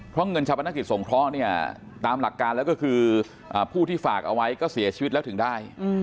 เพราะเงินชาปนกิจสงเคราะห์เนี่ยตามหลักการแล้วก็คือผู้ที่ฝากเอาไว้ก็เสียชีวิตแล้วถึงได้